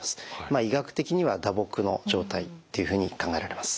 医学的には打撲の状態っていうふうに考えられます。